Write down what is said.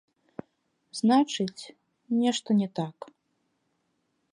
Значыць, нешта не так.